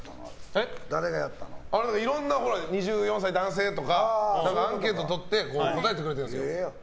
いろんな２４歳男性とかアンケートとって答えてくれているんですよ。